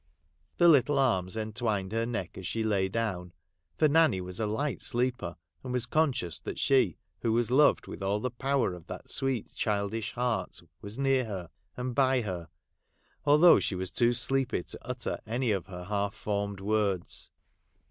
The little arms entwined her neck as she lay down, for Nanny was a light sleeper, and was conscious that she, who was loved with all the power of that sweet childish heart, was near her, and by her, although she was too sleepy to utter any of her half formed words.